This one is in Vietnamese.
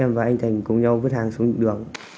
và anh thành cùng nhau vứt hàng xuống đường